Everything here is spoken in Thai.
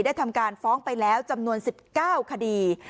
ทำการฟ้องไปแล้วจำนวน๑๙คดี